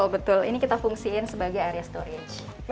betul ini kita fungsiin sebagai area storage